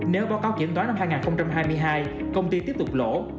nếu báo cáo kiểm toán năm hai nghìn hai mươi hai công ty tiếp tục lỗ